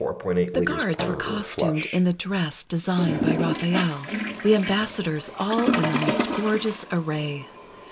The guards were costumed in the dress designed by Raphael, the ambassadors all in the most gorgeous array.